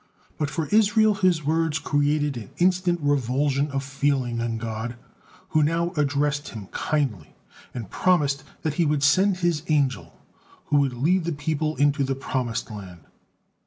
But for Israel his words created an instant revulsion of feeling in God, who now addressed him kindly, and promised that he would send His angel, who would lead the people into the promised land.